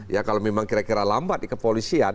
ya kalau memang kira kira lambat di kepolisian